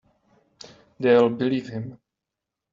They'll believe him.